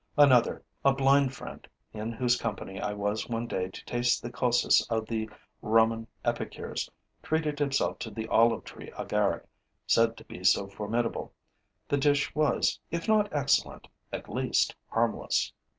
Another, a blind friend, in whose company I was one day to taste the Cossus of the Roman epicures, treated himself to the olive tree agaric, said to be so formidable. The dish was, if not excellent, at least harmless.